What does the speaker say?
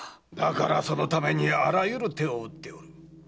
だからそのためにあらゆる手を打っておる。